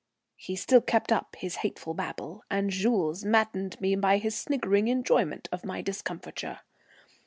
He still kept up his hateful babble, and Jules maddened me by his sniggering enjoyment of my discomfiture.